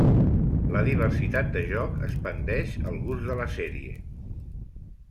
La diversitat de joc expandeix el gust de la sèrie.